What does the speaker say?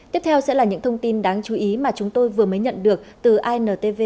tiếp theo sẽ là những thông tin đáng chú ý mà chúng tôi vừa mới nhận được từ intv